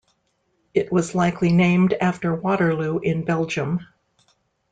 It was likely named after Waterloo, in Belgium.